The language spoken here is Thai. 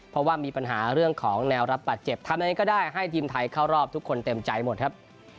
เพราะว่ามีปัญหาเรื่องของแนวรับบาดเจ็บทำยังไงก็ได้ให้ทีมไทยเข้ารอบทุกคนเต็มใจหมดครับ